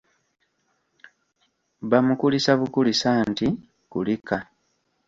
Bamukulisa bukulisa nti; kulika.